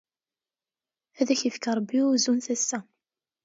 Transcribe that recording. Ad ak-yefk Rebbi uzu n tasa.